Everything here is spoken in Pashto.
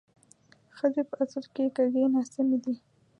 ښځې په اصل کې کږې ناسمې دي